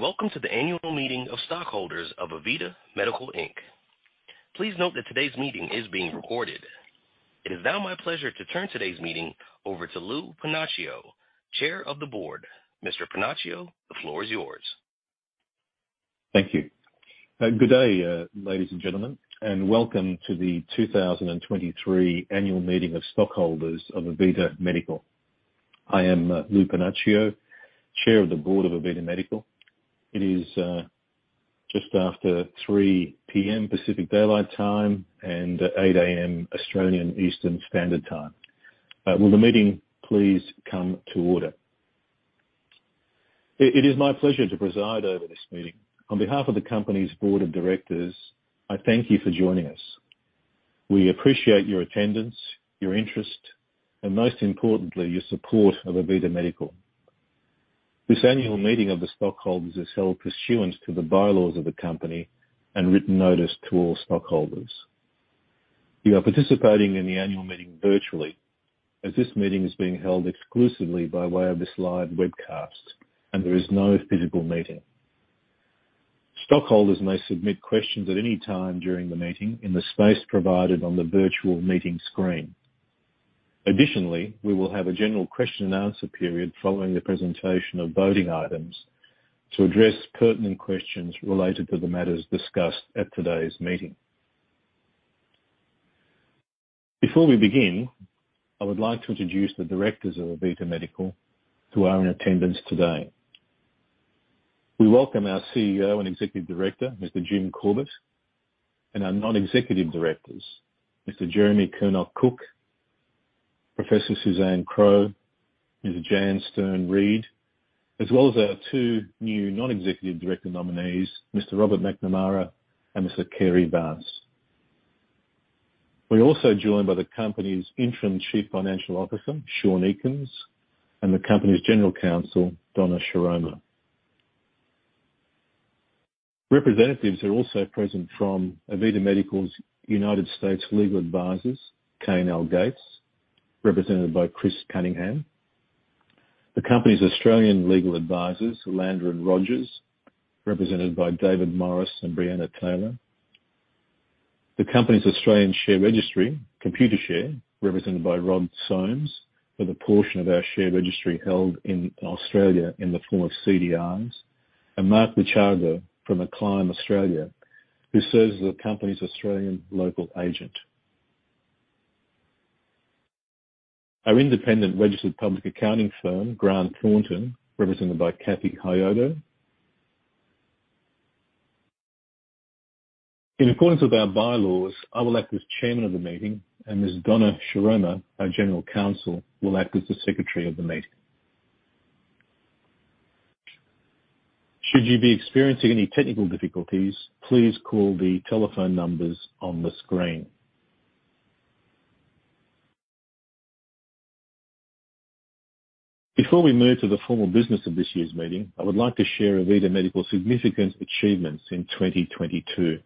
Hello, and welcome to the Annual Meeting of Stockholders of AVITA Medical, Inc. Please note that today's meeting is being recorded. It is now my pleasure to turn today's meeting over to Lou Panaccio, Chair of the Board. Mr. Panaccio, the floor is yours. Thank you. Good day, ladies and gentlemen, welcome to the 2023 Annual Meeting of Stockholders of AVITA Medical. I am Lou Panaccio, Chair of the Board of AVITA Medical. It is just after 3:00 P.M. Pacific Daylight Time and 8:00 A.M. Australian Eastern Standard Time. Will the meeting please come to order? It is my pleasure to preside over this meeting. On behalf of the company's board of directors, I thank you for joining us. We appreciate your attendance, your interest, and most importantly, your support of AVITA Medical. This annual meeting of the stockholders is held pursuant to the bylaws of the company and written notice to all stockholders. You are participating in the annual meeting virtually, as this meeting is being held exclusively by way of this live webcast, and there is no physical meeting. Stockholders may submit questions at any time during the meeting in the space provided on the virtual meeting screen. Additionally, we will have a general question and answer period following the presentation of voting items to address pertinent questions related to the matters discussed at today's meeting. Before we begin, I would like to introduce the directors of AVITA Medical who are in attendance today. We welcome our CEO and Executive Director, Mr. Jim Corbett, and our non-executive directors, Mr. Jeremy Curnock Cook, Professor Suzanne Crowe, Mr. Jan Stern Reed, as well as our two new non-executive director nominees, Mr. Robert McNamara and Mr. Cary Vance. We're also joined by the company's interim Chief Financial Officer, Sean Ekins, and the company's General Counsel, Donna Shiroma. Representatives are also present from AVITA Medical's United States legal advisors, K&L Gates, represented by Chris Cunningham. The company's Australian legal advisors, Lander & Rogers, represented by David Morris and Brianna Taylor. The company's Australian share registry, Computershare, represented by Rod Somes, for the portion of our share registry held in Australia in the form of CDIs, and Mark Lechardo from Acclime Australia, who serves as the company's Australian local agent. Our independent registered public accounting firm, Grant Thornton, represented by Catherine Hyodo. In accordance with our bylaws, I will act as chairman of the meeting, and Ms. Donna Shiroma, our General Counsel, will act as the Secretary of the meeting. Should you be experiencing any technical difficulties, please call the telephone numbers on the screen. Before we move to the formal business of this year's meeting, I would like to share AVITA Medical's significant achievements in 2022.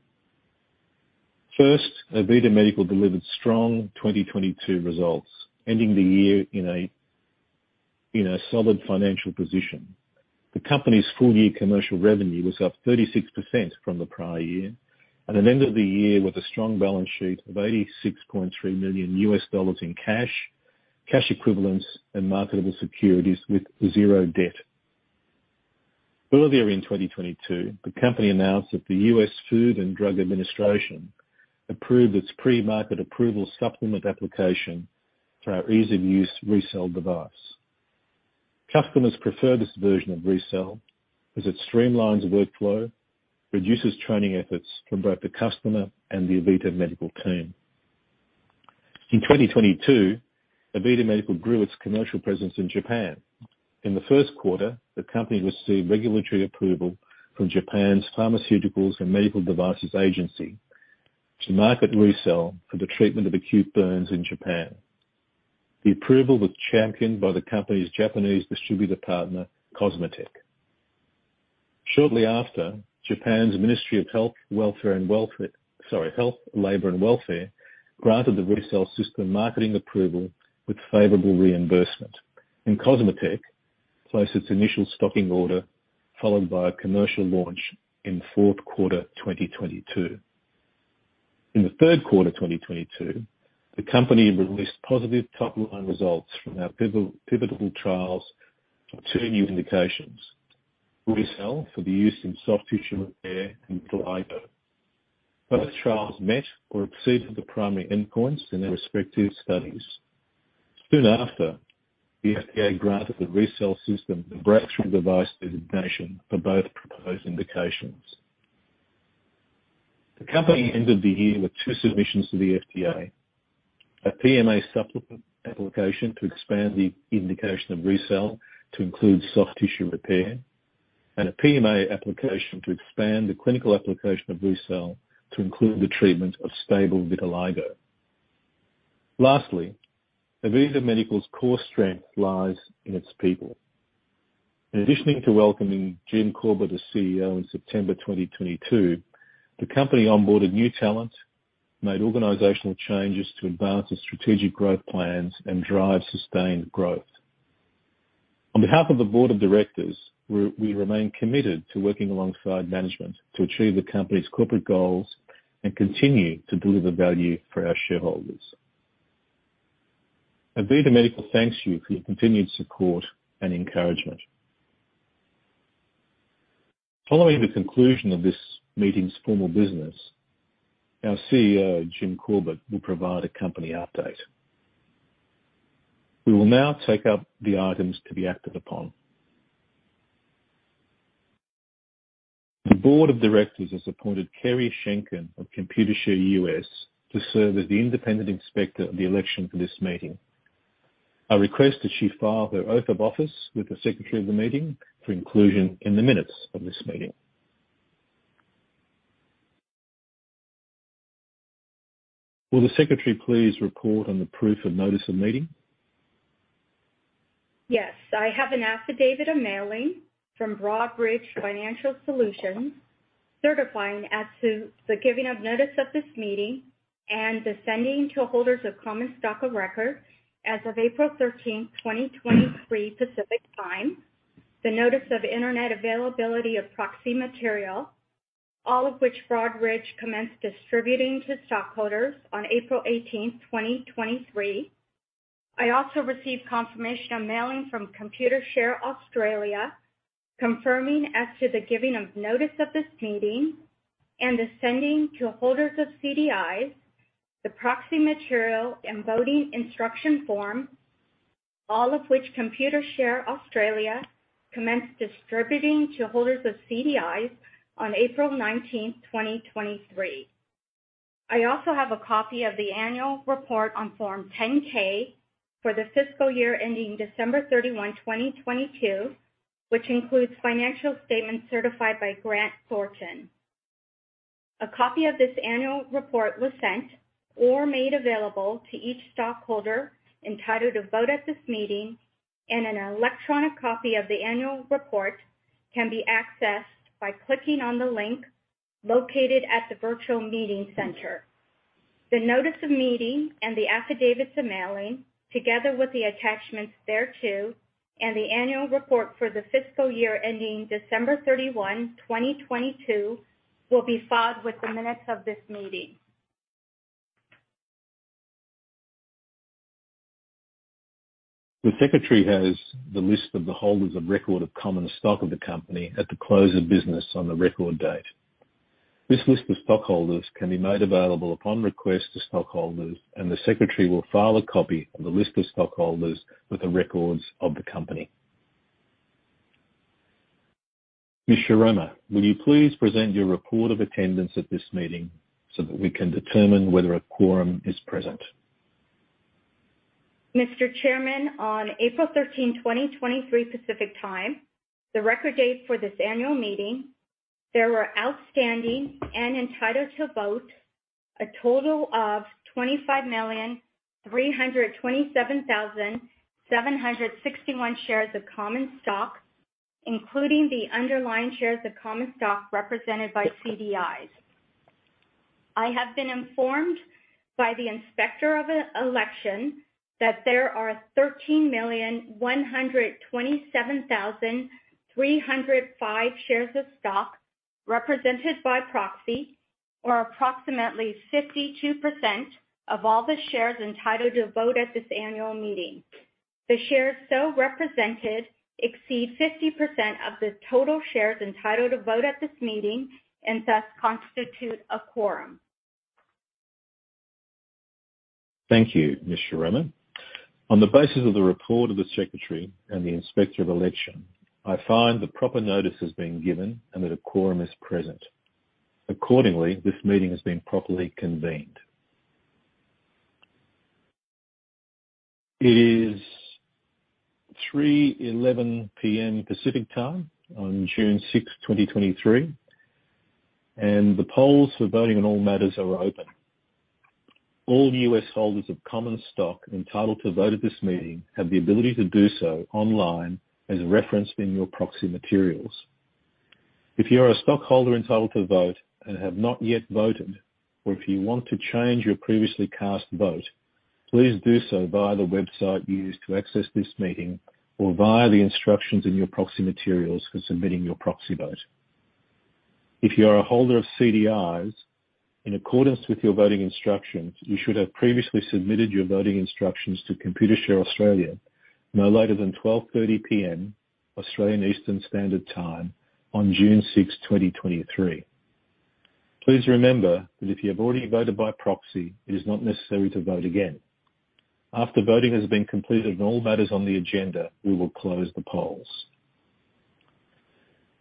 AVITA Medical delivered strong 2022 results, ending the year in a solid financial position. The company's full-year commercial revenue was up 36% from the prior year, it ended the year with a strong balance sheet of $86.3 million in cash equivalents, and marketable securities with zero debt. Earlier in 2022, the company announced that the US Food and Drug Administration approved its pre-market approval supplement application for our ease-of-use RECELL device. Customers prefer this version of RECELL as it streamlines workflow, reduces training efforts from both the customer and the AVITA Medical team. In 2022, AVITA Medical grew its commercial presence in Japan. In the first quarter, the company received regulatory approval from Japan's Pharmaceuticals and Medical Devices Agency to market RECELL for the treatment of acute burns in Japan. The approval was championed by the company's Japanese distributor partner, COSMOTEC. Shortly after, Japan's Ministry of Health, Labour and Welfare granted the RECELL system marketing approval with favorable reimbursement, and COSMOTEC placed its initial stocking order, followed by a commercial launch in fourth quarter, 2022. In the third quarter of 2022, the company released positive top-line results from our pivotal trials for two new indications: RECELL for the use in soft tissue repair and vitiligo. Both trials met or exceeded the primary endpoints in their respective studies. Soon after, the FDA granted the RECELL system a Breakthrough Device designation for both proposed indications. The company ended the year with two submissions to the FDA, a PMA supplement application to expand the indication of RECELL to include soft tissue repair, and a PMA application to expand the clinical application of RECELL to include the treatment of stable vitiligo. AVITA Medical's core strength lies in its people. In addition to welcoming Jim Corbett as CEO in September 2022, the company onboarded new talent, made organizational changes to advance its strategic growth plans and drive sustained growth. On behalf of the board of directors, we remain committed to working alongside management to achieve the company's corporate goals and continue to deliver value for our shareholders. AVITA Medical thanks you for your continued support and encouragement. Following the conclusion of this meeting's formal business, our CEO, Jim Corbett, will provide a company update. We will now take up the items to be acted upon. The board of directors has appointed Kerry Shenken of Computershare US to serve as the independent inspector of the election for this meeting. I request that she file her oath of office with the secretary of the meeting for inclusion in the minutes of this meeting. Will the secretary please report on the proof of notice of meeting? I have an affidavit of mailing from Broadridge Financial Solutions, certifying as to the giving of notice of this meeting and the sending to holders of common stock of record as of 13th April 2023, Pacific Time. The notice of internet availability of proxy material, all of which Broadridge commenced distributing to stockholders on April 18th, 2023. I also received confirmation of mailing from Computershare Australia, confirming as to the giving of notice of this meeting and the sending to holders of CDIs, the proxy material and voting instruction form, all of which Computershare Australia commenced distributing to holders of CDIs on 19th April, 2023. I also have a copy of the annual report on Form 10-K for the fiscal year ending December 31, 2022, which includes financial statements certified by Grant Thornton. A copy of this annual report was sent or made available to each stockholder entitled to vote at this meeting, and an electronic copy of the annual report can be accessed by clicking on the link located at the virtual meeting center. The notice of meeting and the affidavit of mailing, together with the attachments thereto, and the annual report for the fiscal year ending December 31, 2022, will be filed with the minutes of this meeting. The secretary has the list of the holders of record of common stock of the company at the close of business on the record date. This list of stockholders can be made available upon request to stockholders, and the secretary will file a copy of the list of stockholders with the records of the company. Ms. Shiroma, will you please present your report of attendance at this meeting so that we can determine whether a quorum is present? Mr. Chairman, on 13 April 2023, Pacific Time, the record date for this annual meeting, there were outstanding and entitled to vote a total of 25,327,761 shares of common stock, including the underlying shares of common stock represented by CDIs. I have been informed by the inspector of an election that there are 13,127,305 shares of stock represented by proxy, or approximately 52% of all the shares entitled to vote at this annual meeting. The shares so represented exceed 50% of the total shares entitled to vote at this meeting and thus constitute a quorum. Thank you, Ms. Shiroma. On the basis of the report of the secretary and the inspector of election, I find the proper notice has been given and that a quorum is present. Accordingly, this meeting has been properly convened. It is 3:11 P.M. Pacific Time on 6 June 2023, and the polls for voting on all matters are open. All U.S. holders of common stock entitled to vote at this meeting have the ability to do so online, as referenced in your proxy materials. If you are a stockholder entitled to vote and have not yet voted, or if you want to change your previously cast vote, please do so via the website used to access this meeting or via the instructions in your proxy materials for submitting your proxy vote. If you are a holder of CDIs, in accordance with your voting instructions, you should have previously submitted your voting instructions to Computershare Australia no later than 12:30 P.M. Australian Eastern Standard Time on 6 June 2023. Please remember that if you have already voted by proxy, it is not necessary to vote again. After voting has been completed on all matters on the agenda, we will close the polls.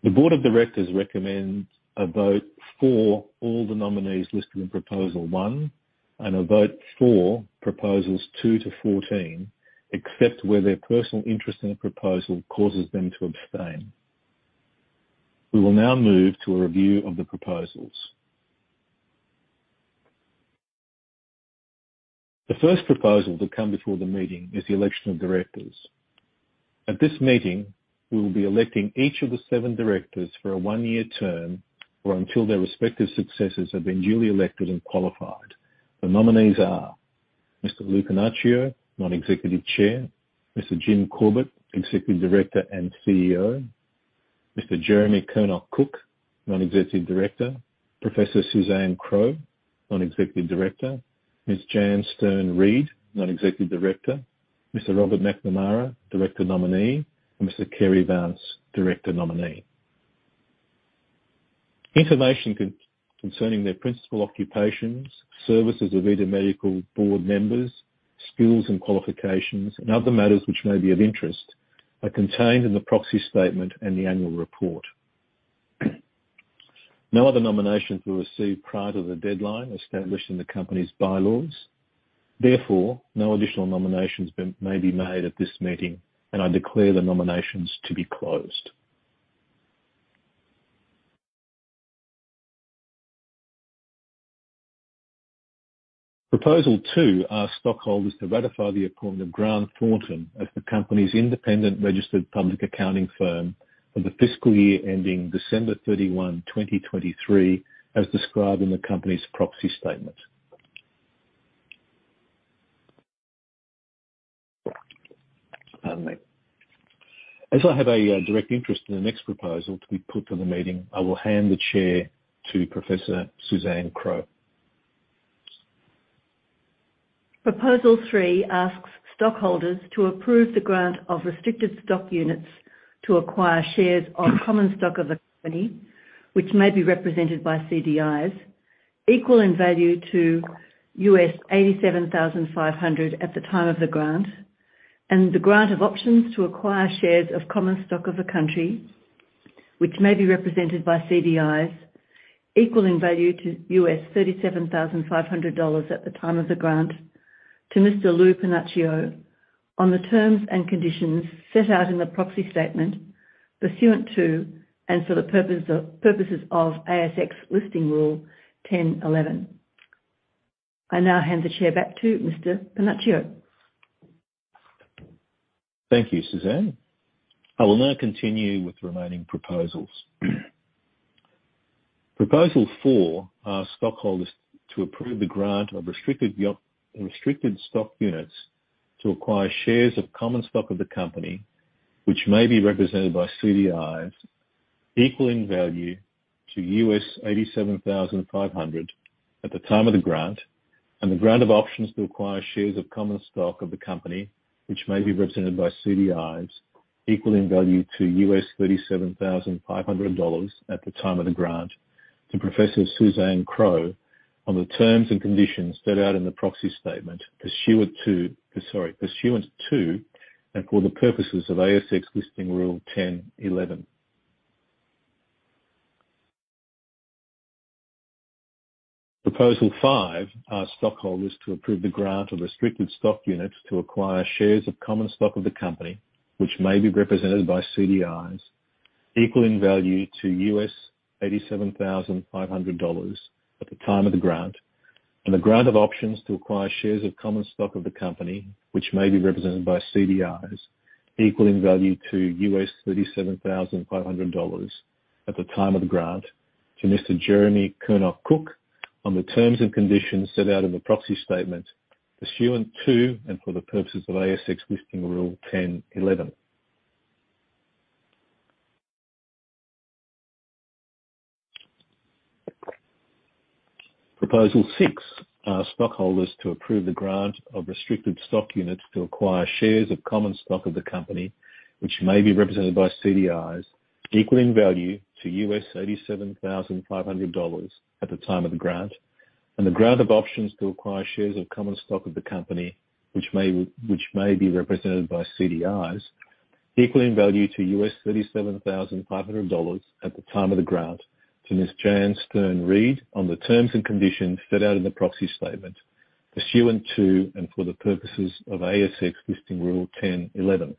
The board of directors recommends a vote for all the nominees listed in proposal one and a vote for proposals two to 14, except where their personal interest in the proposal causes them to abstain. We will now move to a review of the proposals. The first proposal to come before the meeting is the election of directors. At this meeting, we will be electing each of the seven directors for a one-year term, or until their respective successors have been duly elected and qualified. The nominees are: Mr. Lou Panaccio, Non-Executive Chair, Mr. Jim Corbett, Executive Director and CEO, Mr. Jeremy Curnock Cook, Non-Executive Director, Professor Suzanne Crowe, Non-Executive Director, Ms. Jan Stern Reed, Non-Executive Director, Mr. Robert McNamara, Director Nominee, and Mr. Cary Vance, Director Nominee. Information concerning their principal occupations, services of AVITA Medical board members, skills and qualifications, and other matters which may be of interest, are contained in the proxy statement and the annual report. No other nominations were received prior to the deadline established in the company's bylaws. No additional nominations may be made at this meeting, and I declare the nominations to be closed. Proposal two asks stockholders to ratify the appointment of Grant Thornton as the company's independent registered public accounting firm for the fiscal year ending 31 December 2023, as described in the company's proxy statement. Pardon me. As I have a direct interest in the next proposal to be put to the meeting, I will hand the chair to Professor Suzanne Crowe. Proposal three asks stockholders to approve the grant of restricted stock units to acquire shares of common stock of the company, which may be represented by CDIs, equal in value to $87,500 at the time of the grant, and the grant of options to acquire shares of common stock of the country, which may be represented by CDIs, equal in value to $37,500 dollars at the time of the grant, to Mr. Lou Panaccio, on the terms and conditions set out in the proxy statement, pursuant to and for the purposes of ASX Listing Rule 10.11. I now hand the chair back to Mr. Panaccio. Thank you, Suzanne. I will now continue with the remaining proposals. Proposal four asks stockholders to approve the grant of restricted stock units to acquire shares of common stock of the company, which may be represented by CDIs, equal in value to $87,500 at the time of the grant, and the grant of options to acquire shares of common stock of the company, which may be represented by CDIs, equal in value to $37,500 at the time of the grant, to Professor Suzanne Crowe, on the terms and conditions set out in the proxy statement, Sorry, pursuant to, and for the purposes of ASX Listing Rule 10.11. Proposal five asks stockholders to approve the grant of restricted stock units to acquire shares of common stock of the company, which may be represented by CDIs, equal in value to at the time of the grant, and the grant of options to acquire shares of common stock of the company, which may be represented by CDIs, equal in value to $37,500 at the time of the grant, to Mr. Jeremy Curnock Cook, on the terms and conditions set out in the proxy statement, pursuant to, and for the purposes of ASX Listing Rule 10.11. Proposal six asks stockholders to approve the grant of restricted stock units to acquire shares of common stock of the company, which may be represented by CDIs, equal in value to $87,500 at the time of the grant, and the grant of options to acquire shares of common stock of the company, which may be represented by CDIs, equal in value to $37,500 at the time of the grant, to Ms. Jan Stern Reed, on the terms and conditions set out in the proxy statement, pursuant to, and for the purposes of ASX Listing Rule 10.11.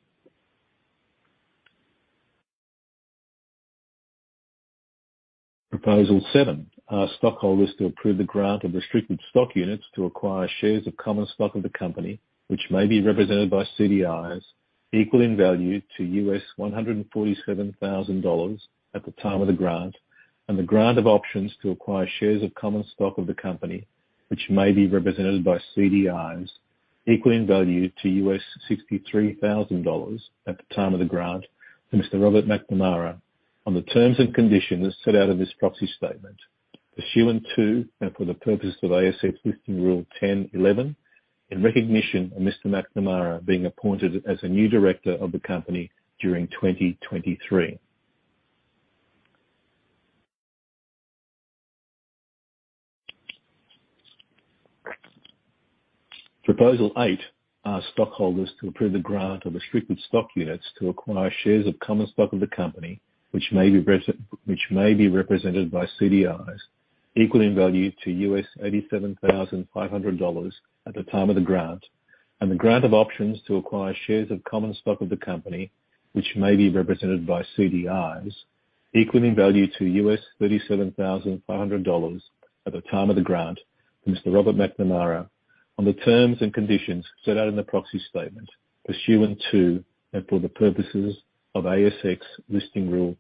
Proposal seven asks stockholders to approve the grant of restricted stock units to acquire shares of common stock of the company, which may be represented by CDIs, equal in value to $147,000 at the time of the grant, and the grant of options to acquire shares of common stock of the company, which may be represented by CDIs, equal in value to $63,000 at the time of the grant, to Mr. Robert McNamara, on the terms and conditions set out in this proxy statement, pursuant to, and for the purposes of ASX Listing Rule 10.11, in recognition of Mr. McNamara being appointed as a new director of the company during 2023. Proposal 8 asks stockholders to approve the grant of restricted stock units to acquire shares of common stock of the company, which may be represented by CDIs, equal in value to $87,500 at the time of the grant and the grant of options to acquire shares of common stock of the company, which may be represented by CDIs, equal in value to $37,500 at the time of the grant to Mr. Robert McNamara, on the terms and conditions set out in the proxy statement, pursuant to, and for the purposes of ASX Listing Rule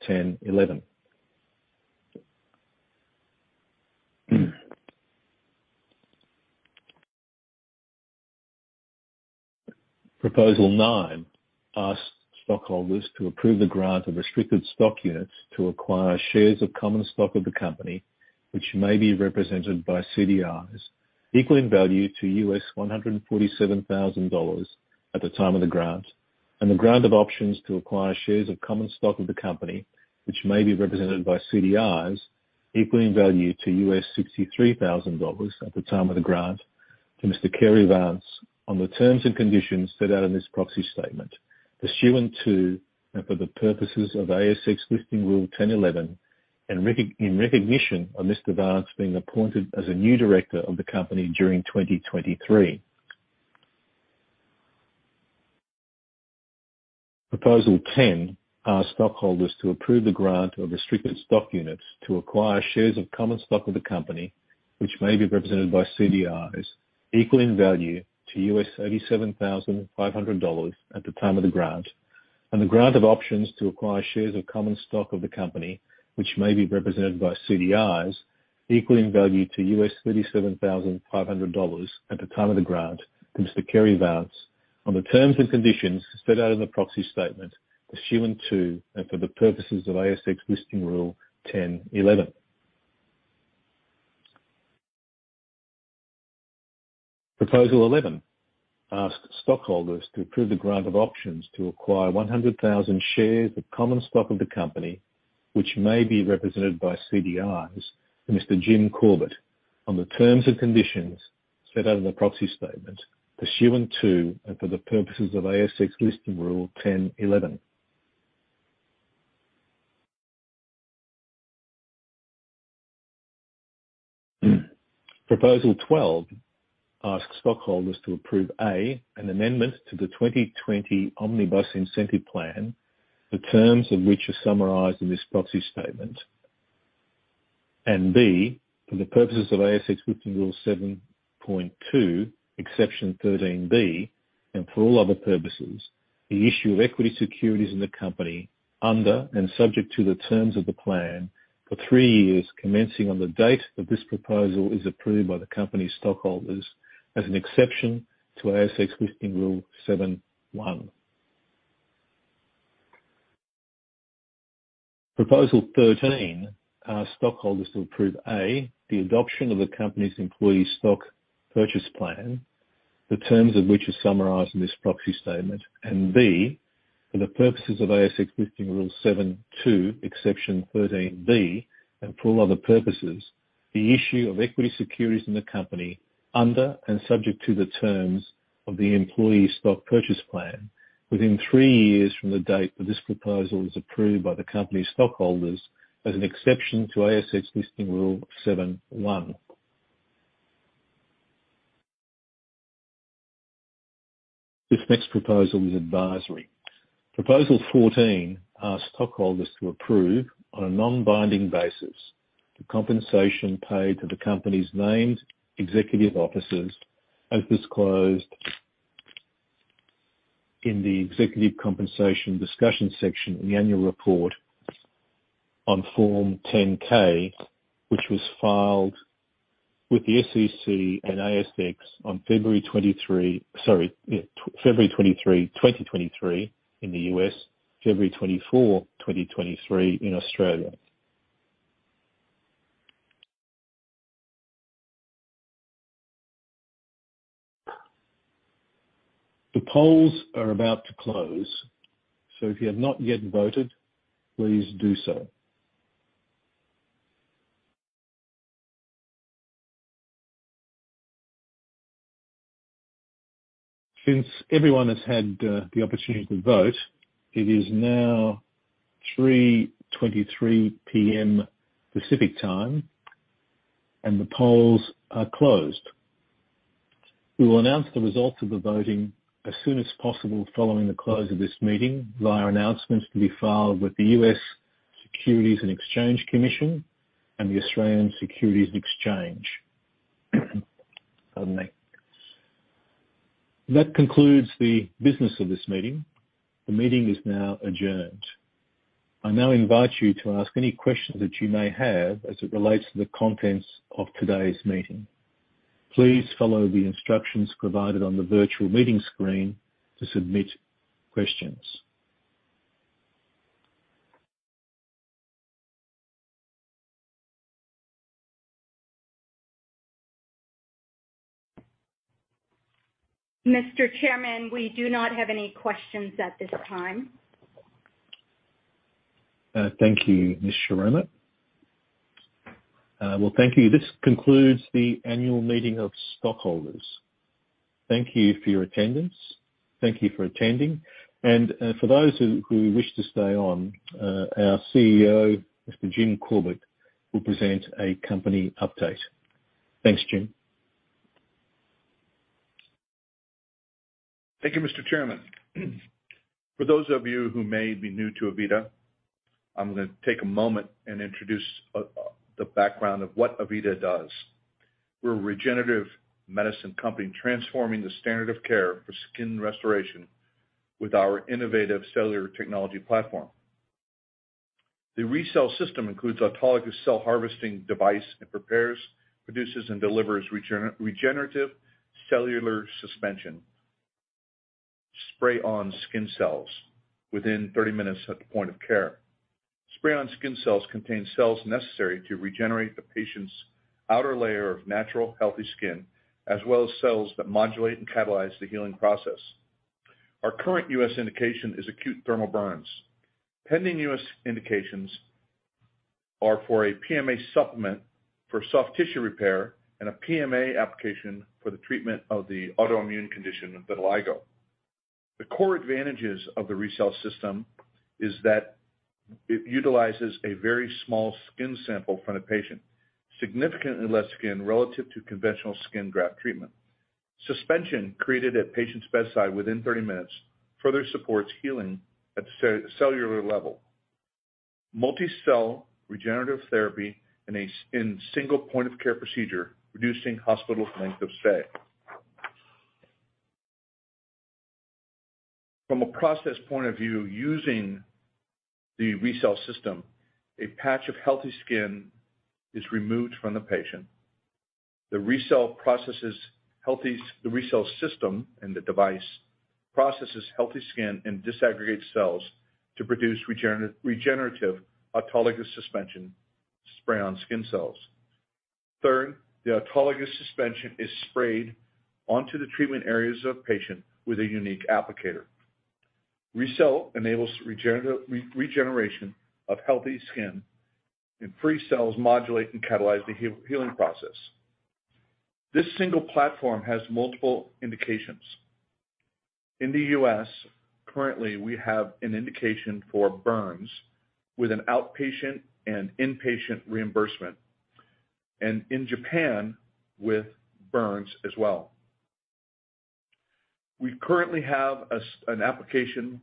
Proposal nine asks stockholders to approve the grant of restricted stock units to acquire shares of common stock of the company, which may be represented by CDIs, equal in value to $147,000 at the time of the grant. The grant of options to acquire shares of common stock of the company, which may be represented by CDIs, equal in value to $63,000 at the time of the grant to Mr. Cary Vance, on the terms and conditions set out in this proxy statement, pursuant to, and for the purposes of ASX Listing Rule 10.11, in recognition of Mr. Vance being appointed as a new director of the company during 2023. Proposal ten asks stockholders to approve the grant of restricted stock units to acquire shares of common stock of the company, which may be represented by CDIs, equal in value to $87,500 at the time of the grant. The grant of options to acquire shares of common stock of the company, which may be represented by CDIs, equal in value to $37,500 at the time of the grant to Mr. Cary Vance, on the terms and conditions set out in the proxy statement, pursuant to, and for the purposes of ASX Listing Rule 10.11. Proposal eleven asks stockholders to approve the grant of options to acquire 100,000 shares of common stock of the company, which may be represented by CDIs, to Mr. Jim Corbett on the terms and conditions set out in the proxy statement, pursuant to, and for the purposes of ASX Listing Rule 10.11. Proposal 12 asks stockholders to approve, A, an amendment to the 2020 Omnibus Incentive Plan, the terms of which are summarized in this proxy statement. And B, for the purposes of ASX Listing Rule 7.2, Exception 13(b), and for all other purposes, the issue of equity securities in the company, under and subject to the terms of the plan for three years, commencing on the date that this proposal is approved by the company's stockholders as an exception to ASX Listing Rule 7.1. Proposal 13 asks stockholders to approve, A, the adoption of the company's Employee Stock Purchase Plan, the terms of which are summarized in this proxy statement. B, for the purposes of ASX Listing Rule 7.2, Exception 13(b), and for all other purposes, the issue of equity securities in the company, under and subject to the terms of the Employee Stock Purchase Plan, within three years from the date that this proposal is approved by the company's stockholders as an exception to ASX Listing Rule 7.1. This next proposal is advisory. Proposal 14 asks stockholders to approve, on a non-binding basis, the compensation paid to the company's named executive officers, as disclosed in the Executive Compensation Discussion section in the annual report on Form 10-K, which was filed with the SEC and ASX on 23 February sorry, 23 February 2023 in the U.S., 24 February 2023 in Australia. The polls are about to close, if you have not yet voted, please do so. Since everyone has had the opportunity to vote, it is now 3:23 P.M. Pacific Time. The polls are closed. We will announce the results of the voting as soon as possible following the close of this meeting, via announcements to be filed with the U.S. Securities and Exchange Commission and the Australian Securities Exchange. Pardon me. That concludes the business of this meeting. The meeting is now adjourned. I now invite you to ask any questions that you may have as it relates to the contents of today's meeting. Please follow the instructions provided on the virtual meeting screen to submit questions. Mr. Chairman, we do not have any questions at this time. Thank you, Ms. Shiroma. Well, thank you. This concludes the annual meeting of stockholders. Thank you for your attendance. Thank you for attending. For those who wish to stay on, our CEO, Jim Corbett, will present a company update. Thanks, Jim. Thank you, Mr. Chairman. For those of you who may be new to AVITA, I'm gonna take a moment and introduce the background of what AVITA does. We're a regenerative medicine company transforming the standard of care for skin restoration with our innovative cellular technology platform. The RECELL system includes autologous cell harvesting device and prepares, produces, and delivers regenerative cellular suspension, Spray-On Skin Cells within 30 minutes at the point of care. Spray-On Skin Cells contain cells necessary to regenerate the patient's outer layer of natural, healthy skin, as well as cells that modulate and catalyze the healing process. Our current U.S. indication is acute thermal burns. Pending U.S. indications are for a PMA supplement for soft tissue repair and a PMA application for the treatment of the autoimmune condition, vitiligo. The core advantages of the RECELL system is that it utilizes a very small skin sample from the patient, significantly less skin relative to conventional skin graft treatment. Suspension, created at patient's bedside within 30 minutes, further supports healing at the cellular level. Multicell regenerative therapy in a single point of care procedure, reducing hospital length of stay. From a process point of view, using the RECELL system, a patch of healthy skin is removed from the patient. The RECELL system and the device processes healthy skin and disaggregates cells to produce regenerative autologous suspension, Spray-On Skin Cells. Third, the autologous suspension is sprayed onto the treatment areas of patient with a unique applicator. RECELL enables regeneration of healthy skin, and free cells modulate and catalyze the healing process. This single platform has multiple indications. In the U.S., currently, we have an indication for burns with an outpatient and inpatient reimbursement. In Japan, with burns as well. We currently have an application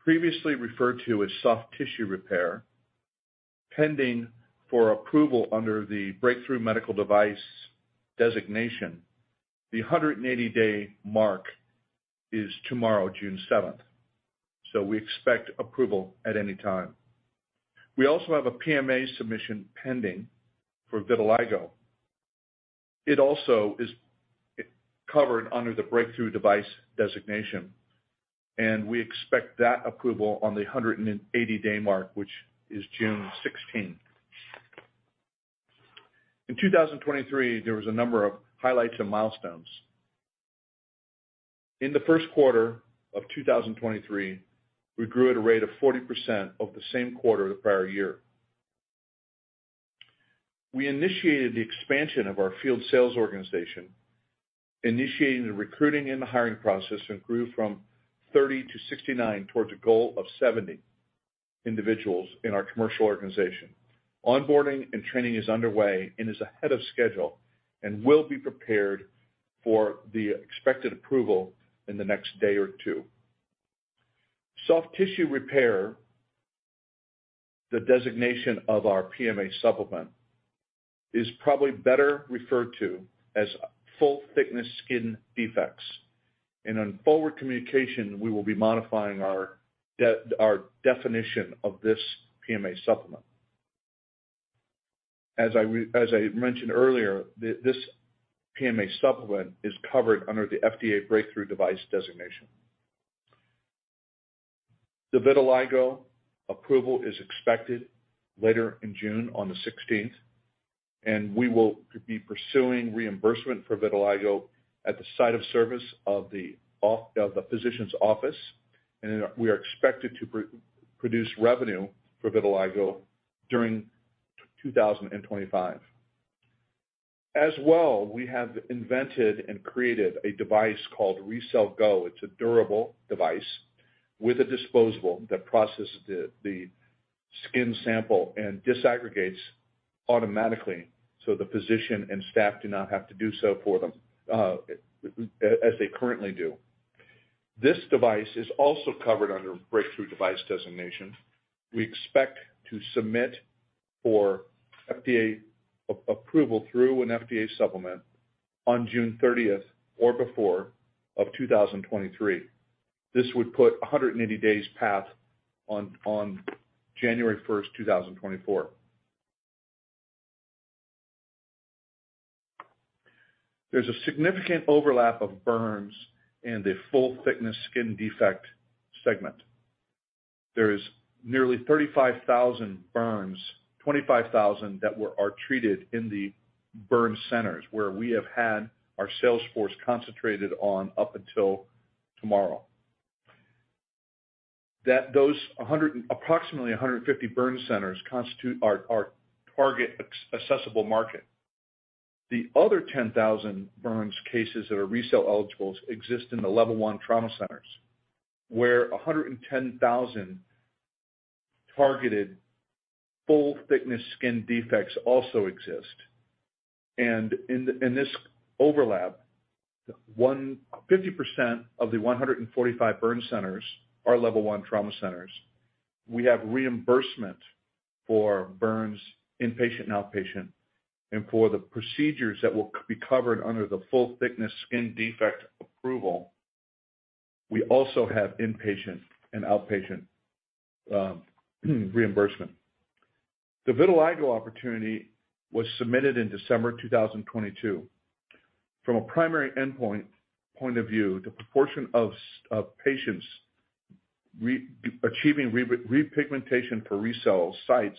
previously referred to as soft tissue repair, pending for approval under the Breakthrough Device designation. The 180-day mark is tomorrow, 7 June. We expect approval at any time. We also have a PMA submission pending for vitiligo. It also is covered under the Breakthrough Device designation, and we expect that approval on the 180-day mark, which is 16 June. In 2023, there was a number of highlights and milestones. In the first quarter of 2023, we grew at a rate of 40% over the same quarter of the prior year. We initiated the expansion of our field sales organization, initiating the recruiting and the hiring process, and grew from 30 to 69 towards a goal of 70 individuals in our commercial organization. Onboarding and training is underway and is ahead of schedule and will be prepared for the expected approval in the next day or two. Soft tissue repair, the designation of our PMA supplement, is probably better referred to as full-thickness skin defects, and on forward communication, we will be modifying our definition of this PMA supplement. As I mentioned earlier, this PMA supplement is covered under the FDA Breakthrough Device Designation. The vitiligo approval is expected later in June on the 16th, and we will be pursuing reimbursement for vitiligo at the site of service of the physician's office, and we are expected to produce revenue for vitiligo during 2025. As well, we have invented and created a device called RECELL GO. It's a durable device with a disposable that processes the skin sample and disaggregates automatically, so the physician and staff do not have to do so for them, as they currently do. This device is also covered under a breakthrough device designation. We expect to submit for FDA approval through an FDA supplement on June 30th or before, of 2023. This would put 180 days path on January 1st, 2024. There's a significant overlap of burns in the full-thickness skin defect segment. There is nearly 35,000 burns, 25,000 that are treated in the burn centers, where we have had our sales force concentrated on up until tomorrow. Approximately 150 burn centers constitute our target accessible market. The other 10,000 burns cases that are RECELL eligibles exist in the level one trauma centers, where 110,000 targeted full-thickness skin defects also exist. In the, in this overlap, 50% of the 145 burn centers are level one trauma centers. We have reimbursement for burns, inpatient and outpatient, and for the procedures that will be covered under the full-thickness skin defect approval, we also have inpatient and outpatient reimbursement. The vitiligo opportunity was submitted in December 2022. From a primary endpoint point of view, the proportion of patients achieving repigmentation for RECELL sites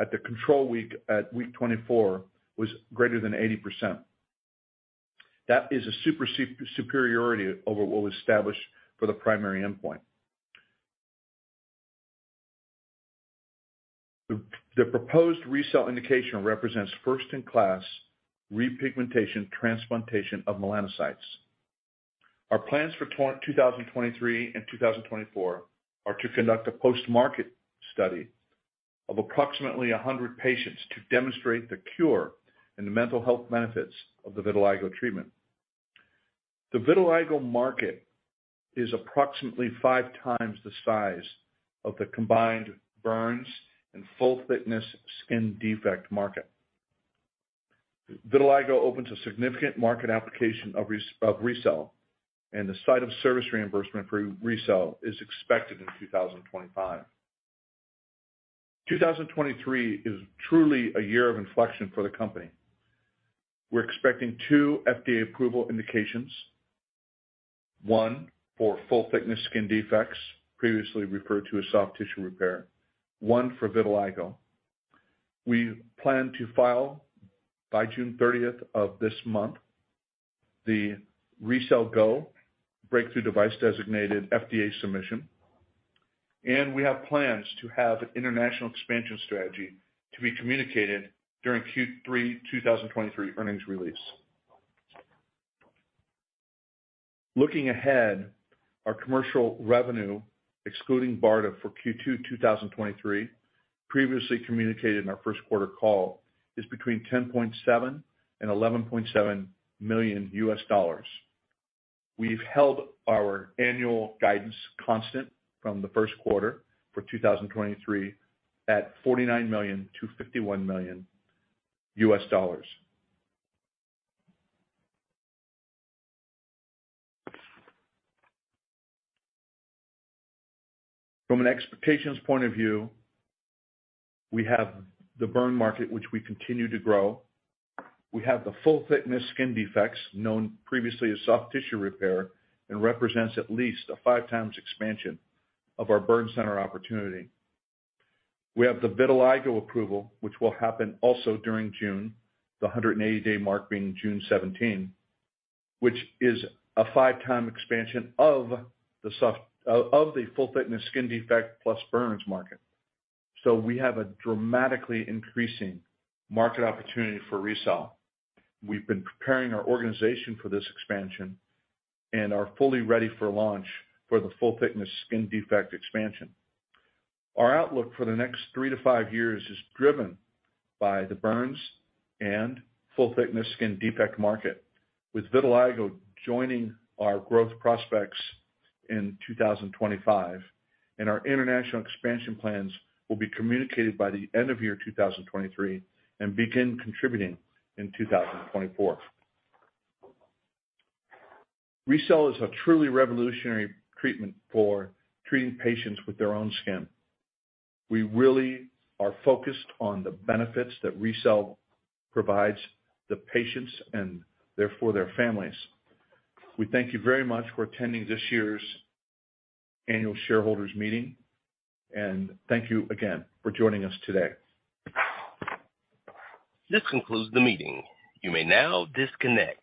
at the control week, at week 24, was greater than 80%. That is a super superiority over what was established for the primary endpoint. The proposed RECELL indication represents first-in-class repigmentation transplantation of melanocytes. Our plans for 2023 and 2024 are to conduct a post-market study of approximately 100 patients to demonstrate the cure and the mental health benefits of the vitiligo treatment. The vitiligo market is approximately five times the size of the combined burns and full-thickness skin defect market. Vitiligo opens a significant market application of RECELL, the site of service reimbursement for RECELL is expected in 2025. 2023 is truly a year of inflection for the company. We're expecting two FDA approval indications, one for full-thickness skin defects, previously referred to as soft tissue repair, one for vitiligo. We plan to file by June 30th of this month, the RECELL GO Breakthrough Device designated FDA submission, and we have plans to have an international expansion strategy to be communicated during Q3 2023 earnings release. Looking ahead, our commercial revenue, excluding BARDA for Q2 2023, previously communicated in our first quarter call, is between $10.7 million and $11.7 million. We've held our annual guidance constant from the first quarter for 2023, at $49 to $51 million. From an expectations point of view, we have the burn market, which we continue to grow. We have the full-thickness skin defects, known previously as soft tissue repair, and represents at least a five times expansion of our burn center opportunity. We have the vitiligo approval, which will happen also during June, the 180 days mark being 17 June, which is a five time expansion of the full-thickness skin defect plus burns market. We have a dramatically increasing market opportunity for RECELL. We've been preparing our organization for this expansion and are fully ready for launch for the full-thickness skin defect expansion. Our outlook for the next three to five years is driven by the burns and full-thickness skin defect market, with vitiligo joining our growth prospects in 2025. Our international expansion plans will be communicated by the end of year 2023 and begin contributing in 2024. RECELL is a truly revolutionary treatment for treating patients with their own skin. We really are focused on the benefits that RECELL provides the patients and therefore, their families. We thank you very much for attending this year's Annual Shareholders Meeting, and thank you again for joining us today. This concludes the meeting. You may now disconnect.